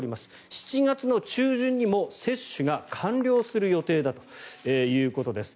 ７月中旬にも接種が完了する予定だということです。